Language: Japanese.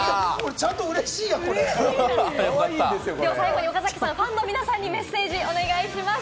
ちゃんとこれ嬉し最後に岡崎さん、ファンの皆さんにメッセージをお願いします。